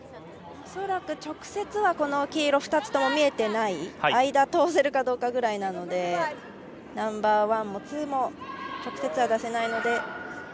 恐らく直接は黄色２つとも見えていない間通せるかどうかくらいなのでナンバーワンもツーも直接は出せないので。